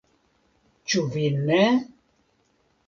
Ĉu vi ne?